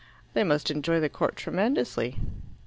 "They must enjoy the court tremendously."